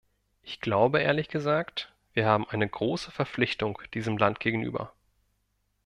Ich glaube ehrlich gesagt, wir haben eine große Verpflichtung diesem Land gegenüber.